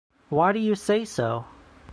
Why do you say so?